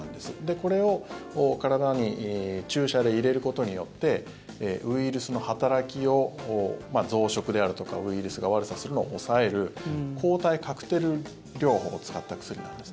これを体に注射で入れることによってウイルスの働き、増殖であるとかウイルスが悪さするのを抑える抗体カクテル療法を使ったお薬なんです。